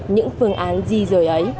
những phương án di rời ấy